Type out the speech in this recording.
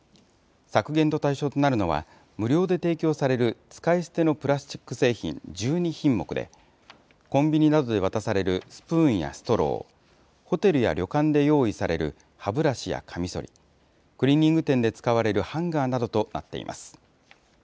削減の対象となるのは、無料で提供される使い捨てのプラスチック製品１２品目で、コンビニなどで渡されるスプーンやストロー、ホテルや旅館で用意される歯ブラシやかみそり、クリーニング店で使われるハンガーなどとなっています。